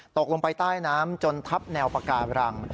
ตกลงไปใต้น้ำจนทับแนวปาการัง